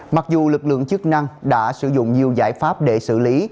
mặc dù lực lượng chức năng đã sử dụng nhiều giải pháp để xử lý